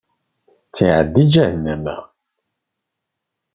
Ttiɛad di ǧahennama.